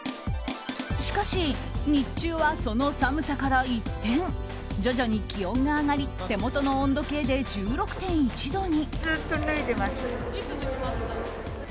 しかし日中はその寒さから一転徐々に気温が上がり手元の温度計で１６．１度に。